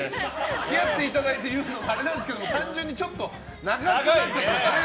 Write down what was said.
付き合っていただいて言うのも何なんですけど単純に長くなっちゃってね。